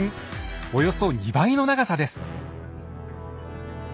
およそ２倍の長さです。